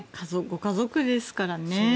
ご家族ですからね。